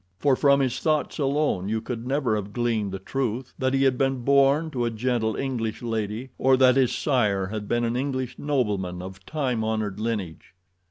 For, from his thoughts alone, you could never have gleaned the truth that he had been born to a gentle English lady or that his sire had been an English nobleman of time honored lineage.